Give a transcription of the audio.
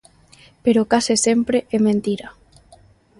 Pero case sempre é mentira.